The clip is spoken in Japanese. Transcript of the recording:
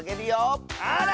あら！